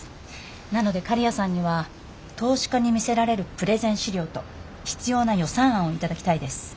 なので刈谷さんには投資家に見せられるプレゼン資料と必要な予算案を頂きたいです。